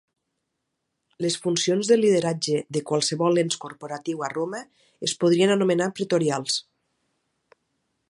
Les funcions de lideratge de qualsevol ens corporatiu a Roma es podrien anomenar pretorials.